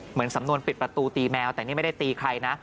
เหมือนสำนวนปิดประตูตีแมวแต่นี่ไม่ได้ตีใครนะ